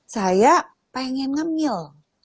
saya pengen ngemil